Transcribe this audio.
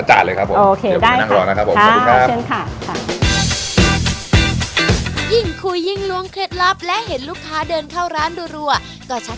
ใช่ค่ะ